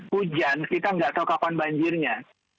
hujan kita nggak tahu kapan banjirnya